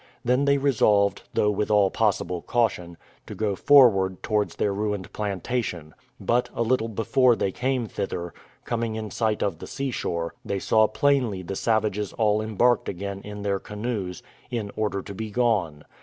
They then resolved, though with all possible caution, to go forward towards their ruined plantation; but, a little before they came thither, coming in sight of the sea shore, they saw plainly the savages all embarked again in their canoes, in order to be gone.